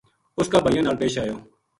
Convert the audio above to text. اس کا بھائیاں نال پیش آیو